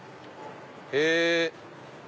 へぇ。